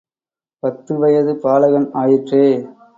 பத்துவயது பாலகன் ஆயிற்றே!